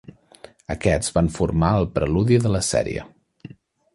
Aquests van formar el preludi de la sèrie.